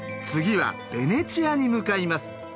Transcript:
次はベネチアに向かいます。